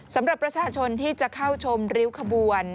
สำหรับประชาชนที่จะเข้าชมริ้วขบวน